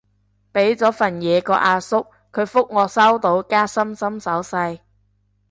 畀咗份嘢個阿叔，佢覆我收到加心心手勢